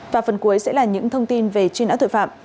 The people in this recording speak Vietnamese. và phần cuối sẽ là những thông tin về truy nã tội phạm